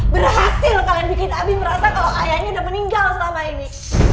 berhasil kalian bikin abi merasa kalau ayahnya udah meninggal selama ini